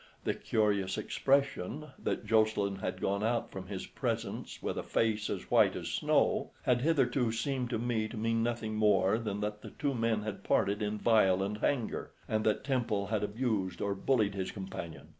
The curious expression, that Jocelyn had gone out from his presence with a face as white as snow, had hitherto seemed to me to mean nothing more than that the two men had parted in violent anger, and that Temple had abused or bullied his companion.